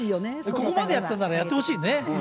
ここまでやったんならやってほしいね。